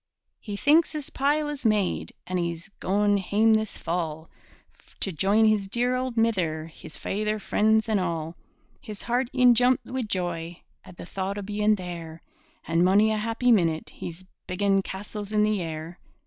He thinks his pile is made, An' he's goin' hame this fall, To join his dear auld mither, His faither, freends, and all. His heart e'en jumps wi' joy At the thocht o' bein' there, An' mony a happy minute He's biggin' castles in the air!